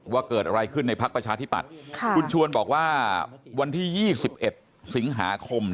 ว่าเกิดอะไรขึ้นในพักประชาธิปัตย์คุณชวนบอกว่าวันที่๒๑สิงหาคม